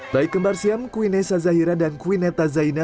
baik kembar siam queen esa zahira dan queen eta zaina